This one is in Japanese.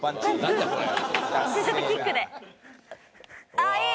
あっいい！